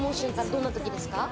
どんなときですか？